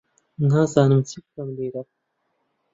نازانم چی بکەم لێرە.